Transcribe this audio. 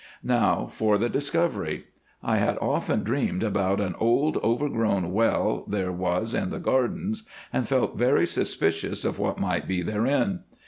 "Now for the discovery. I had often dreamed about an old overgrown well there was in the gardens, and felt very suspicious of what might be therein.